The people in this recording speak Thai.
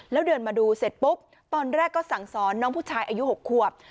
แล้วเดินมาดูเสร็จปุ๊บตอนแรกก็สั่งสอนน้องผู้ชายอายุ๖ควบ